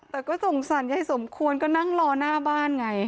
แต่ก็สงสารยายสมควรก็นั่งรอหน้าบ้านไง